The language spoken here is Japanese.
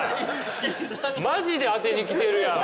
マジで当てにきてるやん。